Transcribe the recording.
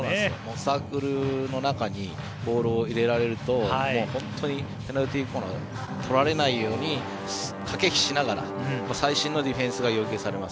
サークルの中にボールを入れられると本当にペナルティーコーナー取られないように駆け引きしながら最新のディフェンスが要求されます。